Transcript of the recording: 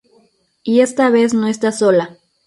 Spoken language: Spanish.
Y esta vez no está sola.